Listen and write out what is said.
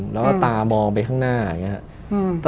แล้วก็ตามองไปข้างหน้าอย่างนี้ครับ